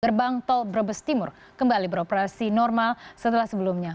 gerbang tol brebes timur kembali beroperasi normal setelah sebelumnya